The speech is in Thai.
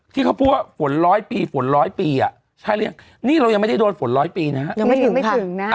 ที่เขาพูดว่าฝนร้อยปีฝนร้อยปีอะใช่หรือยังนี่เรายังไม่ได้โดนฝนร้อยปีนะฮะ